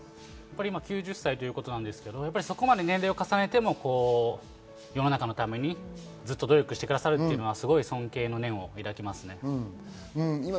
９０歳っていうことですが、年齢を重ねても、世の中のためにずっと努力をしてくださるのはすごく尊敬の念を抱きます。